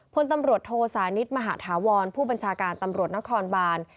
พลตำรวจโทสานิทมหาธาวรผู้บัญชาการตำรวจนครบาน